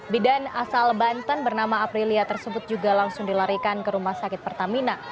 bidan asal banten bernama aprilia tersebut juga langsung dilarikan ke rumah sakit pertamina